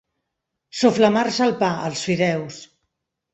Soflamar-se el pa, els fideus.